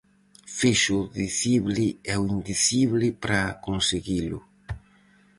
Fixo o dicible e o indicible para conseguilo.